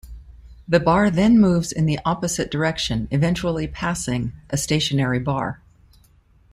The bar then moves in the opposite direction, eventually passing a stationary bar.